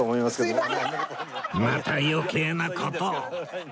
また余計な事を